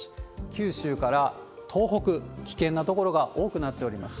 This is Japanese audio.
九州から東北、危険な所が多くなっております。